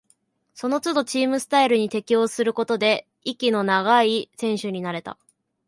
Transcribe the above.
そのつどチームスタイルに適応することで、息の長い選手になれた